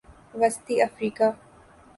وسطی افریقہ